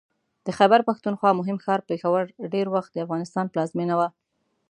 د خیبر پښتونخوا مهم ښار پېښور ډېر وخت د افغانستان پلازمېنه وه